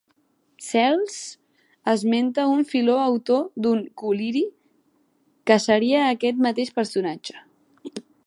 Cels esmenta un Filó autor d'un col·liri, que seria aquest mateix personatge.